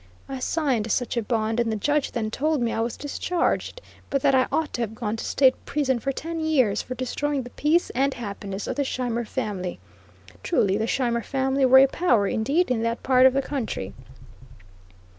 I signed such a bond, and the judge then told me I was discharged; but that I ought to have gone to State prison for ten years for destroying the peace and happiness of the Scheimer family. Truly the Scheimer family were a power, indeed, in that part of the country!